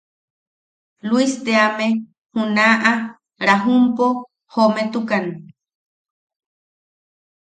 Luis teame, junaʼa Rajumpo jometukan.